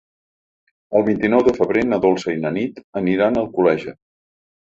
El vint-i-nou de febrer na Dolça i na Nit aniran a Alcoleja.